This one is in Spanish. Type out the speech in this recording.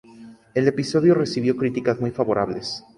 El episodio recibió críticas muy favorables.